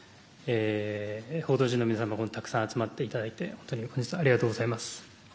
報道陣のみなさんたくさん集まっていただいてありがとうございます。